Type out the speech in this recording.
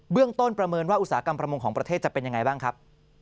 เรื่องต้นประเมินว่าอุตสาหกรรมประมงของประเทศจะเป็นยังไงบ้างครับ